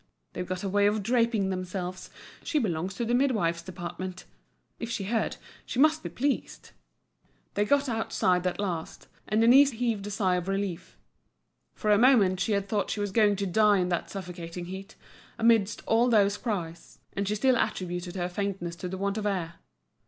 They've got a way of draping themselves. She belongs to the midwife's department! If she heard, she must be pleased." They got outside at last, and Denise heaved a sigh of relief. For a moment she had thought she was going to die in that suffocating heat, amidst all those cries; and she still attributed her faintness to the want of air.